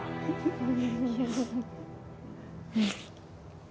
うん。